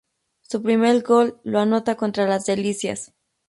Su primer gol lo anota contra Las Delicias.